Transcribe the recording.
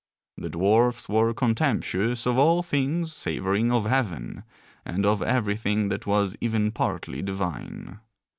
The dwarfs were contemptuous of all things savouring of heaven, and of everything that was even partly divine.